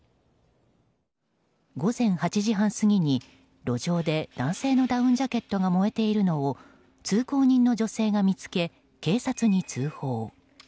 午前８時過ぎに路上で男性のダウンジャケットが燃えているのを通行人の女性が見つけ警察に通報。